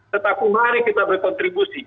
tetapi mari kita berkontribusi